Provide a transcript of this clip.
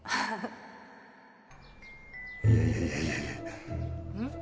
いやいやいやうん？